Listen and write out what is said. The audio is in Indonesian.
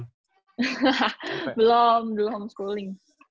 hahaha belum belum homeschooling